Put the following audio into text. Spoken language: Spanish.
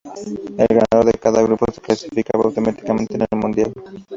El ganador de cada grupo se clasificaba automáticamente al Mundial.